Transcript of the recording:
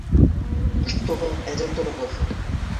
Штобы әҙер тороғоҙ.